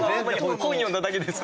本読んだだけです。